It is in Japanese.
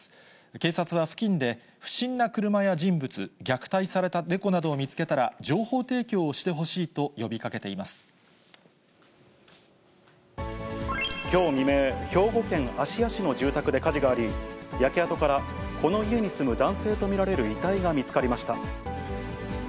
警察は付近で不審な車や人物、虐待された猫などを見つけたら情報提供をしてほしいと呼びかけてきょう未明、兵庫県芦屋市の住宅で火事があり、焼け跡からこの家に住む男性と見られる遺体が見つかりました。